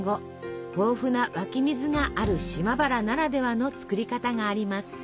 豊富な湧き水がある島原ならではの作り方があります。